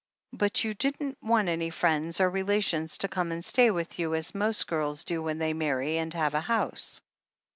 But you didn't want any friends or relations to come and stay with you, as most girls do when they marry and have a house.